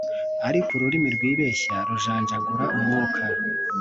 ariko ururimi rwibeshya rujanjagura umwuka